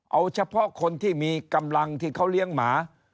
เอาเฉพาะคนที่มีกำลังที่เขาเลี้ยงหมา